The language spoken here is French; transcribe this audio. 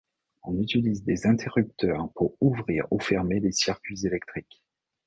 On utilise des interrupteurs pour ouvrir ou fermer les circuits électriques.